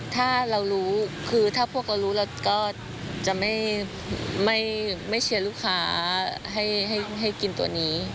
ถ้าเรารู้คือถ้าพวกเรารู้เราก็จะไม่เชียร์ลูกค้าให้กินตัวนี้